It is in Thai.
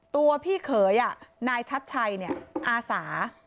ตัวพี่เขยนายชัดชัยอาสา